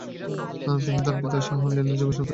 তিনি তার পিতা শাহ ওয়ালীউল্লাহ এর যোগ্য উত্তরশুরি ছিলেন।